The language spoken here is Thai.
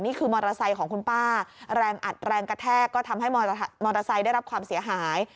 นี่คือมอเตอร์ไซค์ของคุณป้าแรงอัดแรงกระแทกก็ทำให้มอเตอร์ไซค์ได้รับความเสียหาย